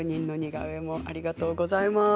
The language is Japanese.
ありがとうございます。